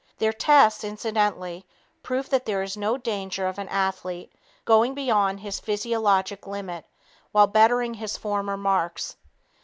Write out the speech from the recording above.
Their tests, incidentally, proved that there is no danger of an athlete going beyond his physiologic limit while bettering his former marks.